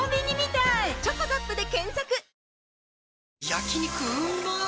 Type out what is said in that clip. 焼肉うまっ